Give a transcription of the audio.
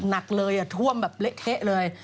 หนักเลยท่วมแบบเละเทะเลย